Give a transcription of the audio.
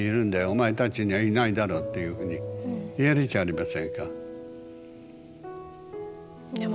お前たちにはいないだろうっていうふうに言えるじゃありませんか。